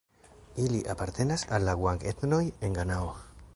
Ili apartenas al la guang-etnoj en Ganao.